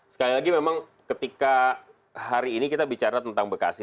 sekali lagi memang ketika hari ini kita bicara tentang bekasi